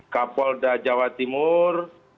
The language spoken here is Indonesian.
kapolda jawa timur